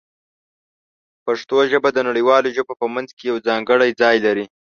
پښتو ژبه د نړیوالو ژبو په منځ کې یو ځانګړی ځای لري.